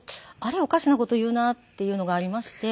おかしな事言うなっていうのがありまして。